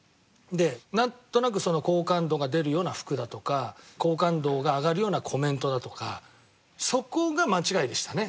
なんとなく好感度が出るような服だとか好感度が上がるようなコメントだとかそこが間違いでしたね。